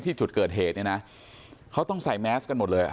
ที่จุดเกิดเหตุเนี่ยนะเขาต้องใส่แมสกันหมดเลยอ่ะ